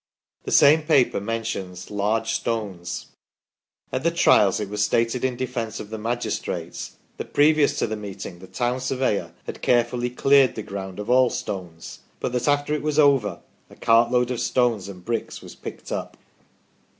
The same paper mentions "large stones ". At the Trials it was stated in defence of the magistrates that previous to the meeting the town surveyor had carefully cleared the MANCHESTER YEOMANRY IN DIFFICULTIES 35 ground of all stones, but that after it was over a cart load of stones and bricks was picked up.